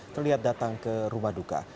terlihat datang ke rumah duka